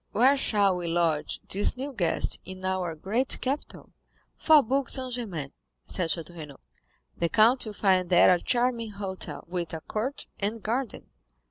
Where shall we lodge this new guest in our great capital?" "Faubourg Saint Germain," said Château Renaud. "The count will find there a charming hotel, with a court and garden."